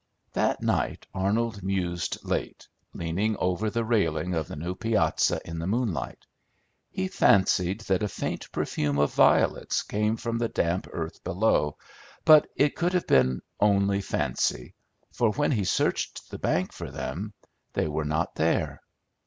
That night Arnold mused late, leaning over the railing of the new piazza in the moonlight. He fancied that a faint perfume of violets came from the damp earth below; but it could have been only fancy, for when he searched the bank for them they were not there.